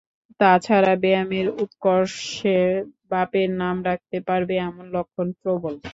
তা ছাড়া ব্যায়ামের উৎকর্ষে বাপের নাম রাখতে পারবে এমন লক্ষণ প্রবল।